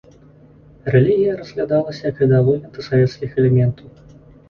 Рэлігія разглядалася як ідэалогія антысавецкіх элементаў.